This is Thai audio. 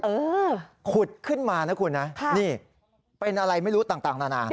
เออขุดขึ้นมานะคุณนะนี่เป็นอะไรไม่รู้ต่างนานา